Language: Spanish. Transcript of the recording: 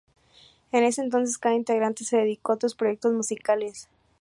En ese entonces cada integrante se dedicó a otros proyectos musicales.